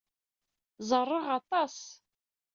Ẓerreɣ aṭas.